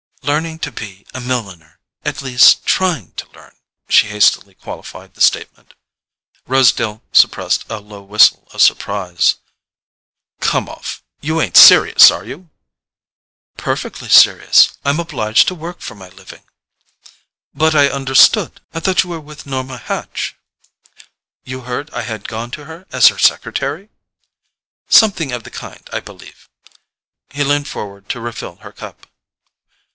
"Learning to be a milliner—at least TRYING to learn," she hastily qualified the statement. Rosedale suppressed a low whistle of surprise. "Come off—you ain't serious, are you?" "Perfectly serious. I'm obliged to work for my living." "But I understood—I thought you were with Norma Hatch." "You heard I had gone to her as her secretary?" "Something of the kind, I believe." He leaned forward to refill her cup.